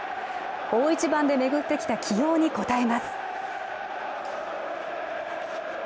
大一番で巡ってきた起用に応えます。